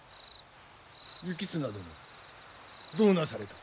行綱殿どうなされた？